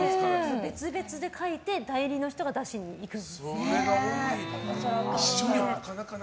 別々で書いて代理の人が出しに行くんですね。